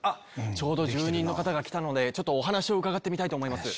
ちょうど住人の方が来たのでお話を伺ってみたいと思います。